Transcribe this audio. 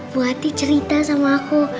bu hati cerita sama aku